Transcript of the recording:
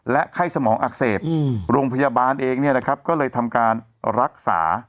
ไข้สมองอักเสบโรงพยาบาลเองเนี่ยนะครับก็เลยทำการรักษา